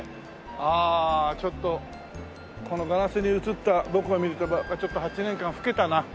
ああちょっとこのガラスに映った僕を見るとやっぱちょっと８年間老けたな。